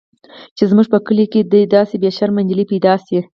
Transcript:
چې زموږ په کلي کښې دې داسې بې شرمه نجلۍ پيدا سي.